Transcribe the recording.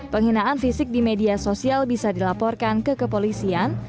penghinaan fisik di media sosial bisa dilaporkan ke kepolisian